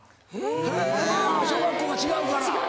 へぇ！小学校が違うから。